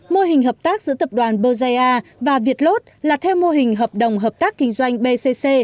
mô hình hợp tác giữa tập đoàn berjaya và việt lốt là theo mô hình hợp đồng hợp tác kinh doanh bcc